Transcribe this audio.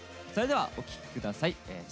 それではお聴き下さい。